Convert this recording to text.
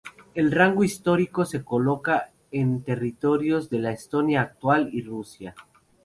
El rango histórico se coloca en territorios de la Estonia actual y Rusia.